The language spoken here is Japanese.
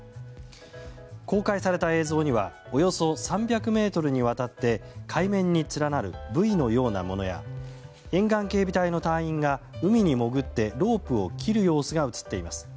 公開された映像にはおよそ３００ｍにわたって海面に連なるブイのようなものや沿岸警備隊の隊員が海に潜ってロープを切る様子が映っています。